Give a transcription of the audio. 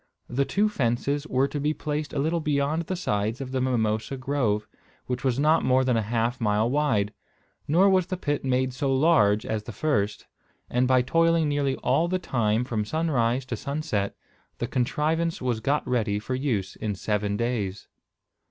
The two fences were to be placed a little beyond the sides of the mimosa grove, which was not more than half a mile wide; nor was the pit made so large as the first; and by toiling nearly all the time from sunrise to sunset, the contrivance was got ready for use in seven days.